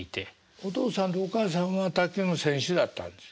お父さんとお母さんは卓球の選手だったんですか？